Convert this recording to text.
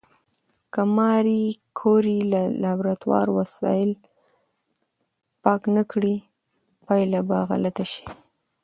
که ماري کوري د لابراتوار وسایل پاک نه کړي، پایله به غلطه شي.